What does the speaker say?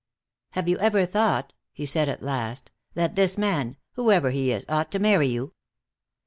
"Have you ever thought," he said at last, "that this man, whoever he is, ought to marry you?"